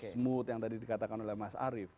smooth yang tadi dikatakan oleh mas arief